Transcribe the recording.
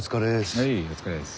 はいお疲れっす。